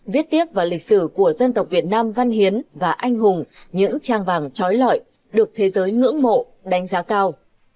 viết tiếp vào lịch sử của dân tộc việt nam văn hiến và anh hùng những trang vàng trói lọi được thế giới ngưỡng mộ đánh giá cao